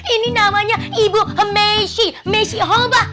ini namanya ibu hemesi mesihoba